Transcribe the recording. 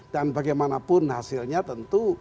dan bagaimanapun hasilnya tentu